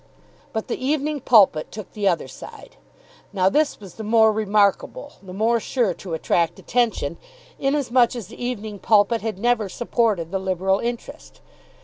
But the "Evening Pulpit" took the other side. Now this was the more remarkable, the more sure to attract attention, inasmuch as the "Evening Pulpit" had never supported the Liberal interest.